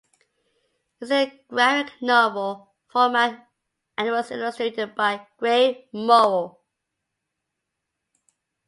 It is in graphic novel format and was illustrated by Gray Morrow.